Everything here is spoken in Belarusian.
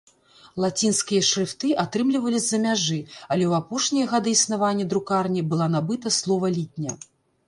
Лацінскія шрыфты атрымлівалі з-за мяжы, але ў апошнія гады існавання друкарні была набыта словалітня.